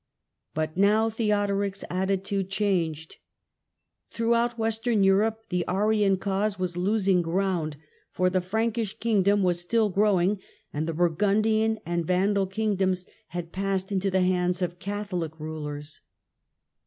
But now Theodoric's attitude changed. Throughout Vestern Europe the Arian cause was losing ground, >r the Frankish kingdom was still growing and the Surgundian and Vandal kingdoms had passed into the ands of Catholic rulers.